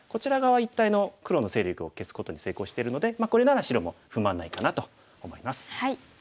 一帯の黒の勢力を消すことに成功してるのでこれなら白も不満ないかなと思います。